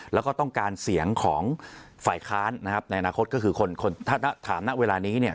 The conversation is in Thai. แล้วก็ต้องการเสียงของฝ่ายค้านนะครับในอนาคตก็คือคนถ้าถามณเวลานี้เนี่ย